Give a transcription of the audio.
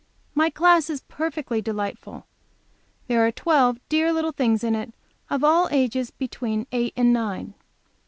My class is perfectly delightful. There are twelve dear little things in it, of all ages between eight and nine.